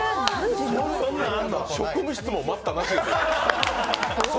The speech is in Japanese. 「職務質問待ったなし」ですよ。